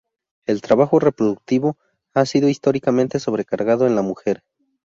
El trabajo reproductivo ha sido históricamente sobrecargado en la mujer.